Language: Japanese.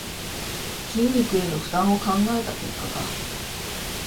筋肉への負担を考えた結果か